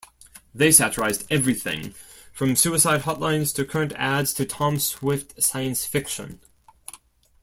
They satirized everything from suicide hotlines to current ads to Tom Swift science fiction.